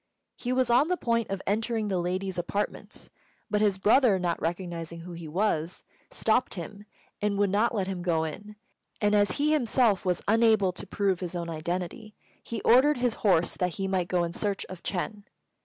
He was on the point of entering the ladies' apartments; but his brother, not recognising who he was, stopped him, and would not let him go in; and as he himself was unable to prove his own identity, he ordered his horse that he might go in search of Ch'êng.